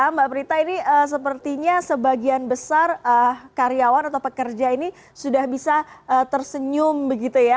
mbak prita ini sepertinya sebagian besar karyawan atau pekerja ini sudah bisa tersenyum begitu ya